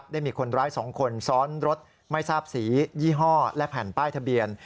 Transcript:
ได้มีคนร้าย๒คนซ้อนรถไม่ทราบสียี่ห้อและแผ่นป้ายทะเบียน